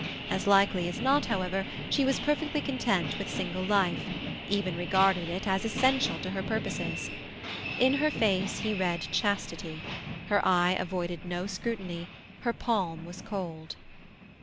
As likely as not, however, she was perfectly content with single life—even regarded it as essential to her purposes. In her face he read chastity; her eye avoided no scrutiny; her palm was cold.